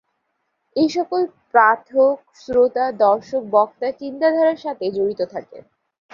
এইসকল পাঠক-শ্রোতা-দর্শক বক্তার চিন্তাধারার সাথে জড়িত থাকে।